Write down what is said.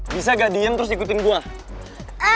bisa gak diam terus ikutin gue